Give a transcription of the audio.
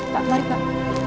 pak mari pak